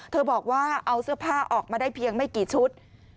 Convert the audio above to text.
บอกว่าเอาเสื้อผ้าออกมาได้เพียงไม่กี่ชุด